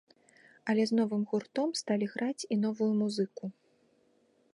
Але з новым гуртом сталі граць і новую музыку.